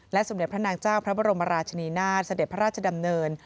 สมเด็จพระนางเจ้าพระบรมราชนีนาฏเสด็จพระราชดำเนิน